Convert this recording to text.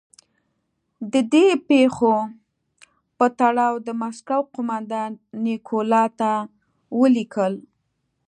د دې پېښو په تړاو د مسکو قومندان نیکولای ته ولیکل.